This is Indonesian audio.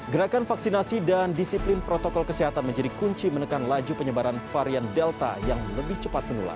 gerakan vaksinasi dan disiplin protokol kesehatan menjadi kunci menekan laju penyebaran varian delta yang lebih cepat menular